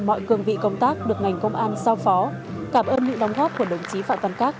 mọi cường vị công tác được ngành công an sao phó cảm ơn những đóng góp của đồng chí phạm văn khác